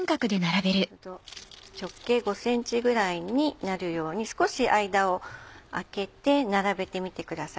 ちょうど直径５ｃｍぐらいになるように少し間を空けて並べてみてください。